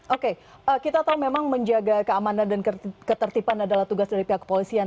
oke kita tahu memang menjaga keamanan dan ketertiban adalah tugas dari pihak kepolisian